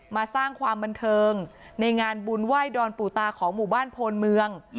มาสร้างความบันเทิงในงานบุญไหว้ดอนปู่ตาของหมู่บ้านโพนเมือง